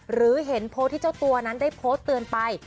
หรือเห็นโพสต์ที่เจ้าตัวนั้นได้โพสต์เตือนไป